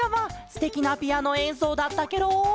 すてきなピアノえんそうだったケロ！